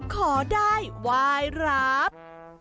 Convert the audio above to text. ขอได้วายรับ